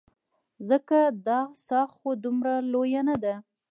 ځکه دا څاه خو دومره لویه نه ده.